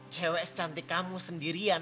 cewek secantik kamu sendirian